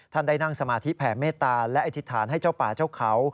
ได้นั่งสมาธิแผ่เมตตาและอธิษฐานให้เจ้าป่าเจ้าเขา